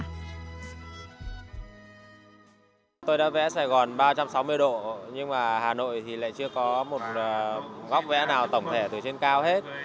tôi đã vẽ sài gòn ba trăm sáu mươi độ nhưng mà hà nội thì lại chưa có một góc vẽ nào tổng thể từ trên cao hết